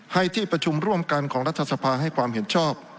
ให้ที่ประชุมร่วมกันของรัฐสภาให้ความเห็นชอบ